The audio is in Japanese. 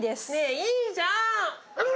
いいじゃん、うー。